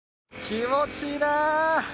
気持ちいいな！